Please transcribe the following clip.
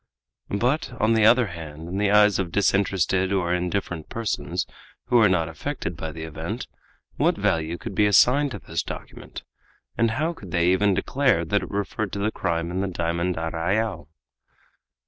But, on the other hand, in the eyes of disinterested or indifferent persons who were not affected by the event, what value could be assigned to this document? and how could they even declare that it referred to the crime in the diamond arrayal?